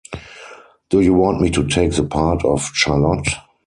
Do you want me to take the part of Charlotte?